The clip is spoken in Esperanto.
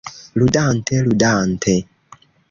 Ludante, ludante.